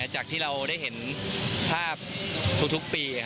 จากที่เราได้เห็นภาพทุกปี